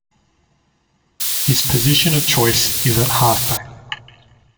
His position of choice is at half-back.